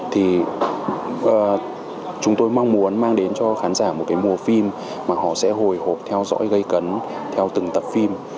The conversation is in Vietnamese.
thì chúng tôi mong muốn mang đến cho khán giả một cái mùa phim mà họ sẽ hồi hộp theo dõi gây cấn theo từng tập phim